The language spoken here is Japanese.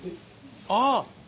ああ！